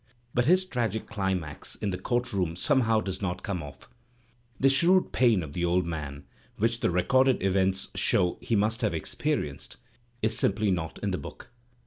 But his tragic climax in the court room somehow does not come oflf. The shrewd pain of the old man, which the recorded events show he must have experienced, is simply not in the book.